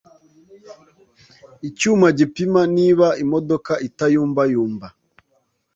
icyuma gipima niba imodoka itayumbayumba